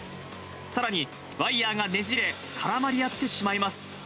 さらに、ワイヤーがねじれ、絡まり合ってしまいます。